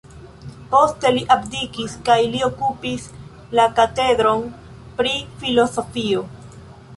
Poste li abdikis kaj li okupis la katedron pri filozofio.